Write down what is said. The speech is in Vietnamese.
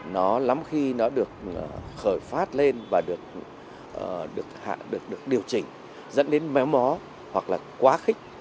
nó lắm khi nó được khởi phát lên và được điều chỉnh dẫn đến méo mó hoặc là quá khích